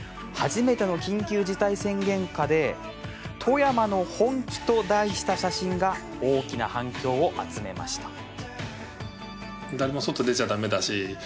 初めての緊急事態宣言下で「富山の本気」と題した写真が大きな反響を集めました。